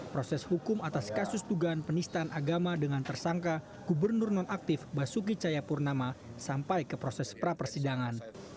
proses hukum atas kasus tugahan penistaan agama dengan tersangka gubernur non aktif basuki cahayapurnama sampai ke proses prapersidangan